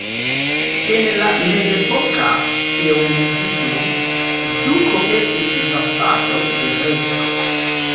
En la mezepoka feŭdismo, duko estis vasalo de reĝo.